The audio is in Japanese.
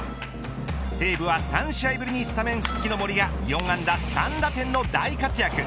西武は３試合ぶりにスタメン復帰の森が４安打３打点の大活躍。